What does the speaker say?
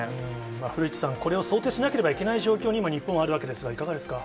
古市さん、これを想定しなければいけない状況に今、日本はあるわけですが、いかがですか。